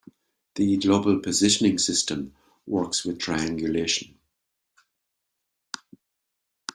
The global positioning system works with triangulation.